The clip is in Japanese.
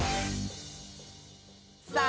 さあ